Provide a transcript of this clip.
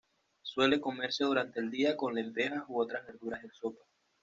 Suele comerse durante el día con lentejas u otras verduras en sopa.